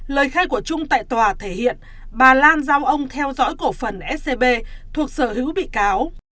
lời khai của trung tại tòa thể hiện bà lan giao ông theo dõi cổ phần scb thuộc sở hữu bị cáo